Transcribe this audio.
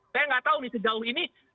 saya nggak tahu nih sejauh ini